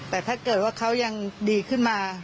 แต่ถ้าเกิดว่าเขายังดีขึ้นมา